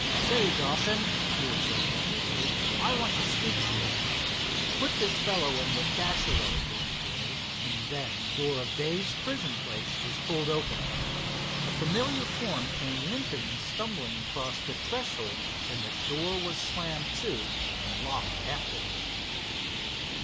"Say, Dawson," here broke in Ridgely, "I want to speak to you." "Put this fellow in with Dashaway," ordered Jerry, and then the door of Dave's prison place was pulled open. A familiar form came limping and stumbling across the threshold, and the door was slammed to and locked after him.